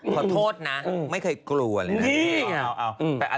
ขอโทษนะไม่เคยกลัวเลยนะ